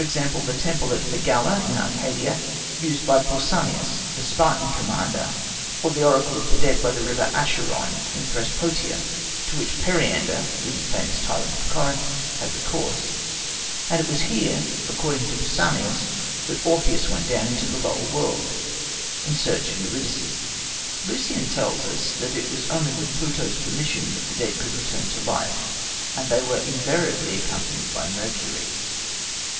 the temple at Phigalia, in Arcadia, used by Pausanias, the Spartan commander; or the [Greek: nekyomanteion], the oracle of the dead, by the River Acheron, in Threspotia, to which Periander, the famous tyrant of Corinth, had recourse; and it was here, according to Pausanias, that Orpheus went down to the lower world in search of Eurydice. Lucian tells us that it was only with Pluto's permission that the dead could return to life, and they were invariably accompanied by Mercury.